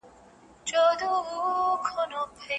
نن سبا چي څوک د ژوند پر لار ځي پلي